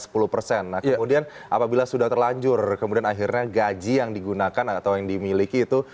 nah kemudian apabila sudah terlanjur kemudian akhirnya gaji yang digunakan atau yang dimiliki itu